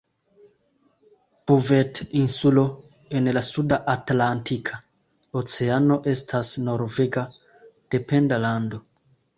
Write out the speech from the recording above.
Buvet-Insulo en la suda Atlantika Oceano estas norvega dependa lando.